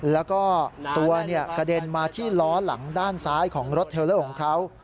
แล้วก็ตัวกระเด็นมาที่ล้อหลังด้านซ้ายของรถเทลเลอร์ของเขา